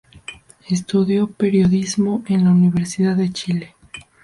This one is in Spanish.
Estudió periodismo en la Universidad de Chile.